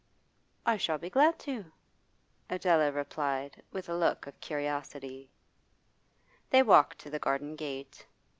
'I shall be glad to,' Adela replied, with a look of curiosity. They walked to the garden gate.